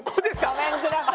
ごめんください。